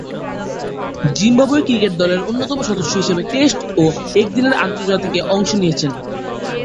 Zimbabwe cricket দলের অন্যতম সদস্য হিসেবে টেস্ট ও একদিনের আন্তর্জাতিকে অংশ নিয়েছেন।